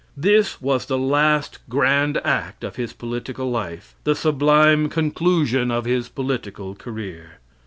This was the last grand act of his political life the sublime conclusion of his political career.